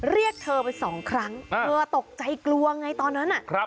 เรียกเธอไปสองครั้งเธอตกใจกลัวไงตอนนั้น